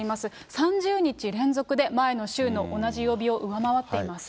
３０日連続で前の週の同じ曜日を上回っています。